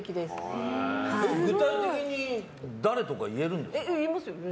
具体的に誰とか言えるんですか。